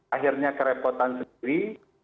akhirnya kerepotan sendiri